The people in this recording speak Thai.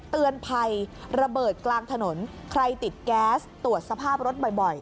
เตือนภัยระเบิดกลางถนนใครติดแก๊สตรวจสภาพรถบ่อย